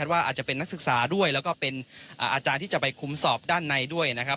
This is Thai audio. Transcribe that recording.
ว่าอาจจะเป็นนักศึกษาด้วยแล้วก็เป็นอาจารย์ที่จะไปคุมสอบด้านในด้วยนะครับ